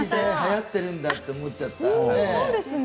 はやってるんだと思っちゃった。